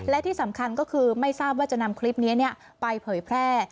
และที่สำคัญก็คือไม่ทราบว่าจะนำคลิปนี้ไปเผยแพร่